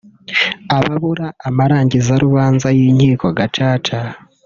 ababura amarangizarubanza y’Inkiko Gacaca